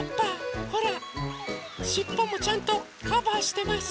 ほらしっぽもちゃんとカバーしてます。